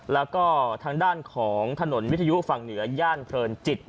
แล้วก็ทางด้านของถนนวิทยุฝั่งเหนือย่านเพลินจิต